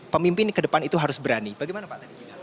pemimpin ke depan itu harus berani bagaimana pak tadi